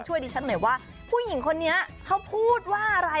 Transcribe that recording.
ดิฉันหน่อยว่าผู้หญิงคนนี้เขาพูดว่าอะไร